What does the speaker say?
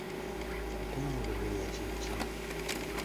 Okwemulugunya kye ki?